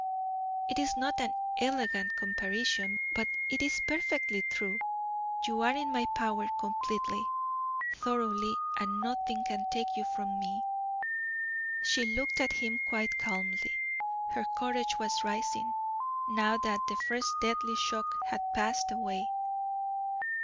It is not an elegant comparison, but it is perfectly true; you are in my power completely, thoroughly, and nothing can take you from me." She looked at him quite calmly, her courage was rising, now that the first deadly shock had passed away.